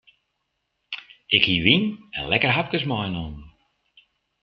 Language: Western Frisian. Ik hie wyn en lekkere hapkes meinommen.